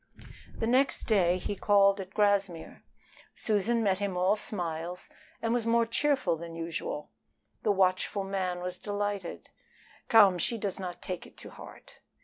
The next day he called at Grassmere. Susan met him all smiles and was more cheerful than usual. The watchful man was delighted. "Come, she does not take it to heart."